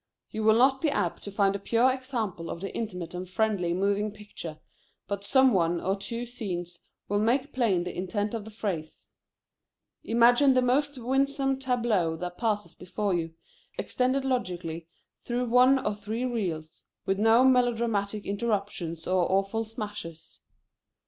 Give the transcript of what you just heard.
You will not be apt to find a pure example of the Intimate and friendly Moving Picture, but some one or two scenes will make plain the intent of the phrase. Imagine the most winsome tableau that passes before you, extended logically through one or three reels, with no melodramatic interruptions or awful smashes.